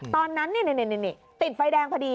ตอนนั้นนี่ติดไฟแดงพอดี